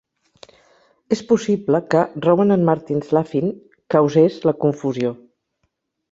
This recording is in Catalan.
És possible que "Rowan and Martin's Laugh-In" causés la confusió.